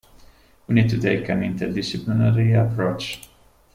We need to take an interdisciplinary approach.